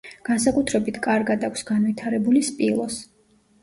განსაკუთრებით კარგად აქვს განვითარებული სპილოს.